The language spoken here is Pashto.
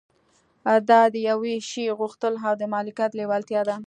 دا د يوه شي غوښتل او د مالکيت لېوالتيا ده.